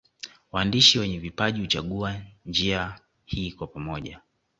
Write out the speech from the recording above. Waandishi wenye vipaji huchagua njia hii kwa pamoja